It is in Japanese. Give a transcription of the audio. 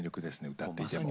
歌っていても。